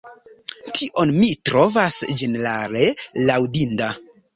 Tion mi trovas ĝenerale laŭdinda.